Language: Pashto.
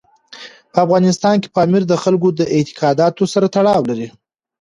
په افغانستان کې پامیر د خلکو د اعتقاداتو سره تړاو لري.